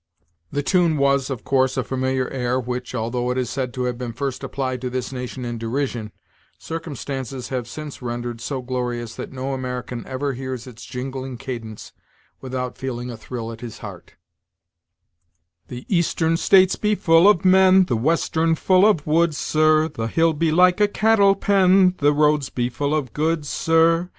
The tune was, of course, a familiar air which, although it is said to have been first applied to this nation in derision, circumstances have since rendered so glorious that no American ever hears its jingling cadence without feeling a thrill at his heart: "The Eastern States be full of men, The Western Full of woods, sir, The hill be like a cattle pen, The roads be full of goods, sir!